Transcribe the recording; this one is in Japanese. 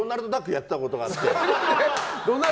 やってたことがあって。